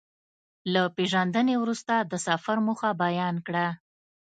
له پېژندنې وروسته د سفر موخه بيان کړه.